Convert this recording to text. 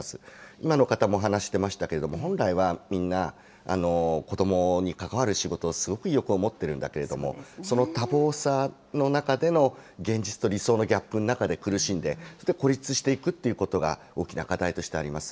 今の方も話してましたけれども、本来はみんな、子どもに関わる仕事をすごく意欲を持っているんだけども、その多忙さの中での現実と理想のギャップの中で苦しんで、そして孤立していくということが大きな課題としてあります。